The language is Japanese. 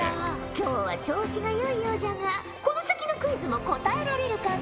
今日は調子がよいようじゃがこの先のクイズも答えられるかな？